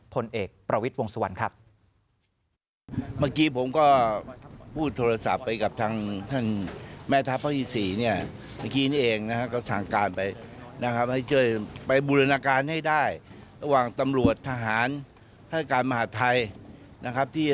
พลเอกประวิทย์วงศวรครับ